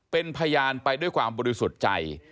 เป็นพยานไปด้วยความบริสุทธิ์ใจ